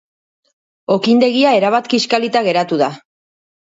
Okindegia erabat kiskalita geratu da.